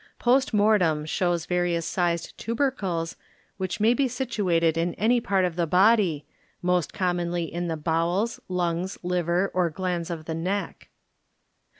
Post mortem shows various sized 'tubercles, which may be situated in any part of the body, most commonly in the bowels, lungs, liver, or glands of the neck.